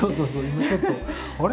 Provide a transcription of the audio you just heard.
今ちょっとあれ？